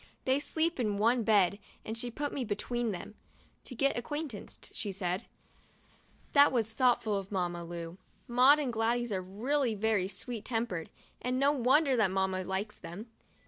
They sleep in one bed and she put me between them, 'to get acquainted,'* she said ! That was thoughtful of Mamma Lu. Maud and Gladys are really very sweet tempered, it's no wonder that Mamma likes them.